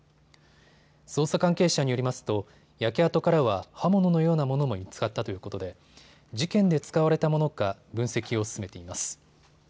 捜査関係者によりますと焼け跡からは刃物のようなものも見つかったということで事件で使われたものか分析を進めています。